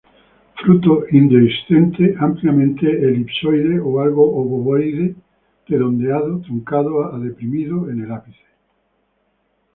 Fruto indehiscente ampliamente elipsoide o algo obovoide, redondeado truncado a deprimido en el ápice.